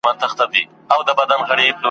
په ټوله ورځ مي ایله وګټله وچه ډوډۍ ,